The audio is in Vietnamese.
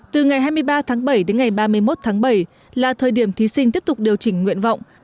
từ ngày hai mươi ba tháng bảy đến ngày ba mươi một tháng bảy là thời điểm thí sinh tiếp tục điều chỉnh nguyện vọng